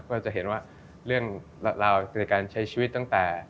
ก็จะเห็นว่าเรื่องราวในการใช้ชีวิตตั้งแต่